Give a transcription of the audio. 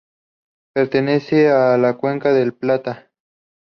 Pertenece a la cuenca del Plata.